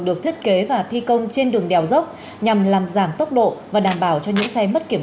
được thiết kế và thi công trên đường đèo dốc nhằm làm giảm tốc độ và đảm bảo cho những xe mất kiểm